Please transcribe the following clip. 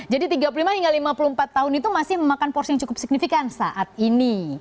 jadi tiga puluh lima hingga lima puluh empat tahun itu masih memakan porsi yang cukup signifikan saat ini